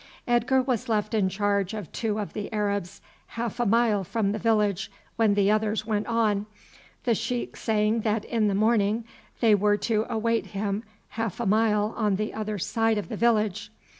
Edgar was left in charge of two of the Arabs half a mile from the village when the others went on, the sheik saying that in the morning they were to await him half a mile on the other side of the village.